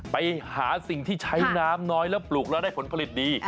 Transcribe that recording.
ไปหาสิ่งที่ใช้น้ำน้อยแล้วปลูกแล้วได้ผลผลิตดี